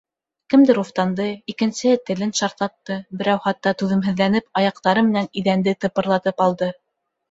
Кемдер уфтанды, икенсеһе телен шартлатты, берәү, хатта, түҙемһеҙләнеп аяҡтары менән иҙәнде тыпырлатып алды.